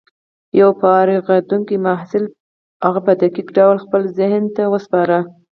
يو فارغېدونکي محصل هغه په دقيق ډول خپل ذهن ته وسپاره.